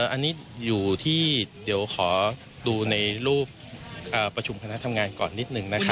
อันนี้อยู่ที่เดี๋ยวขอดูในรูปประชุมคณะทำงานก่อนนิดหนึ่งนะครับ